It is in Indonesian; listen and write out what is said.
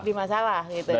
di masalah gitu kan